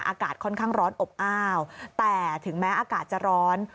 อากาศค่อนข้างร้อนอบอ้าวแต่ถึงแม้อากาศจะร้อน